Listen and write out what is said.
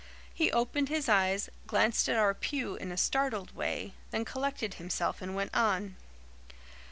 He opened his eyes, glanced at our pew in a startled way, then collected himself and went on.